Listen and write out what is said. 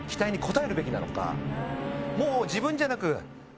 もう自分じゃなく。